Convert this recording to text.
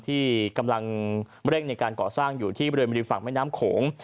ที่กำลังเร่งในการก่อสร้างอยู่ที่บริเวณบริมฝั่งแม่น้ำโขง